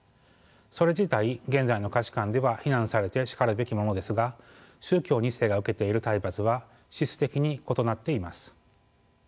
それ自体現在の価値観では非難されてしかるべきものですが宗教２世が受けている体罰は質的に異なっています。